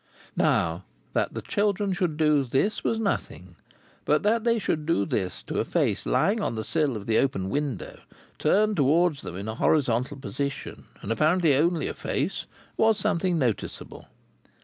Now, that the children should do this was nothing; but that they should do this to a face lying on the sill of the open window, turned towards them in a horizontal position, and apparently only a face, was something noticeable.